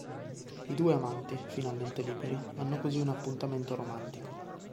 I due amanti, finalmente liberi, hanno così un appuntamento romantico.